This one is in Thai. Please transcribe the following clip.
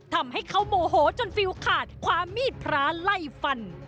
ทำให้เขาโมโหจนฟิลขาดความมีดพระไล่ฟัน